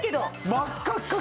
真っ赤っかから。